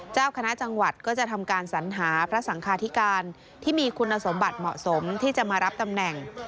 เจ้าคณะจังหวัดก็จะทำการสัญหาพระสังคาธิการที่มีคุณสมบัติเหมาะสมที่จะมารับตำแหน่ง